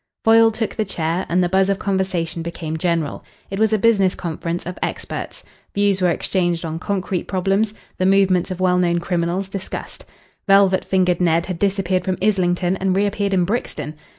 Foyle took the chair, and the buzz of conversation became general. It was a business conference of experts. Views were exchanged on concrete problems; the movements of well known criminals discussed. "Velvet fingered Ned" had disappeared from Islington and reappeared in Brixton.